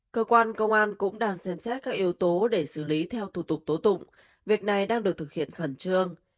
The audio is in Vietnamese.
cơ quan công an cũng đang xem xét các yếu tố để xử lý theo thủ tục tố tụng việc này đang được thực hiện khẩn trương